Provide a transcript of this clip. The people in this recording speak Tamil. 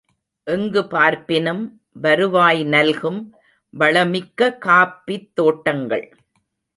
எங்கு பார்ப்பினும் வருவாய் நல்கும் வளமிக்க காஃபித் தோட்டங்கள்!